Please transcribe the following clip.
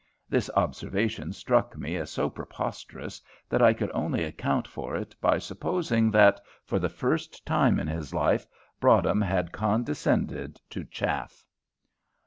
This observation struck me as so preposterous that I could only account for it by supposing that, for the first time in his life, Broadhem had condescended to "chaff."